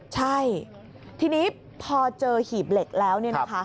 ใช่ทีนี้พอเจอหีบเหล็กแล้ว